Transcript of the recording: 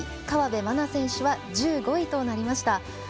河辺愛菜選手は１５位となりました。